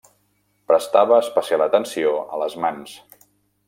Prestava especial atenció a les mans.